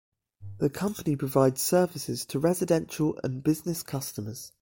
The company provides services to residential and business customers.